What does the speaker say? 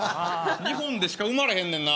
日本でしか生まれへんねんな。